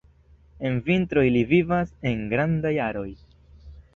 En vintro ili vivas en grandaj aroj.